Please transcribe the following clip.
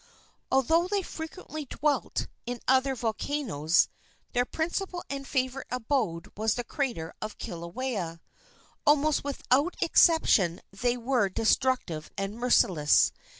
Although they frequently dwelt in other volcanoes, their principal and favorite abode was the crater of Kilauea. Almost without exception they were destructive and merciless.